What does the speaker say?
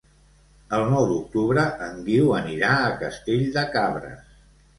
El nou d'octubre en Guiu anirà a Castell de Cabres.